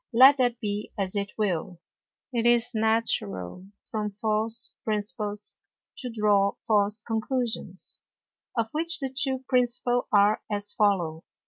Let that be as it will, it is natural from false Principles to draw false Conclusions, of which the two principal are as follow.